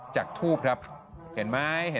จากทูบครับเห็นไหม